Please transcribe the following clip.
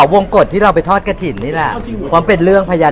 รวมตัวเลขที่ได้เงินมา